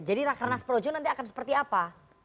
jadi rakenas projo nanti akan seperti apa